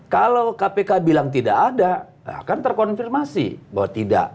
kalau kpk bilang tidak ada akan terkonfirmasi bahwa tidak